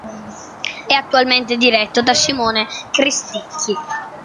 È attualmente diretto da Simone Cristicchi.